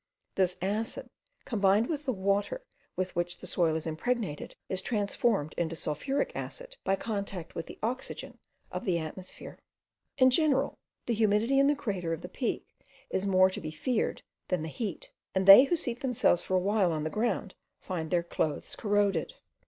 This acid, combined with the water with which the soil is impregnated, is transformed into sulphuric acid by contact with the oxygen of the atmosphere. In general, the humidity in the crater of the peak is more to be feared than the heat; and they who seat themselves for a while on the ground find their clothes corroded.